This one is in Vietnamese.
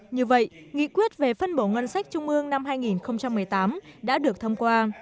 như vậy nghị quyết về phân bổ ngân sách trung ương năm hai nghìn một mươi tám đã được thông qua